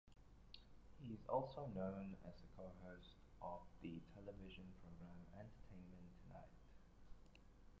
He is also known as the co-host of the television program "Entertainment Tonight".